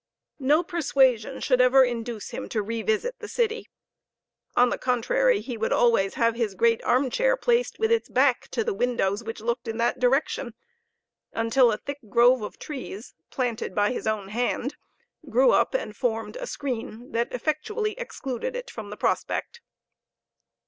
No persuasion should ever induce him to revisit the city; on the contrary, he would always have his great arm chair placed with its back to the windows which looked in that direction, until a thick grove of trees, planted by his own hand, grew up and formed a screen that effectually excluded it from the prospect.